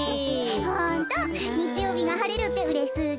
ホントにちようびがはれるってうれしすぎる。